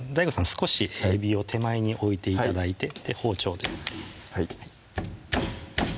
少しえびを手前に置いて頂いて包丁ではい